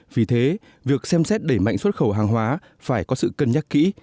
vì thế việc xem xét đẩy mạnh xuất khẩu hàng hóa phải có sự cân nhắc kỹ